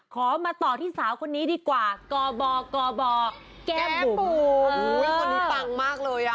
ขอมาต่อที่สาวคนนี้ดีกว่ากบกบแก้มบุ๋มคนนี้ปังมากเลยอ่ะ